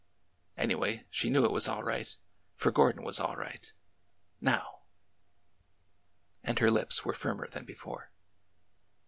Anyway, she knew it was all right, for Gordon was all right! Now! And her lips were firmer than before.